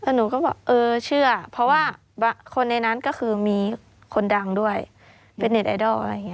หนูก็บอกเออเชื่อเพราะว่าคนในนั้นก็คือมีคนดังด้วยเป็นเน็ตไอดอลอะไรอย่างนี้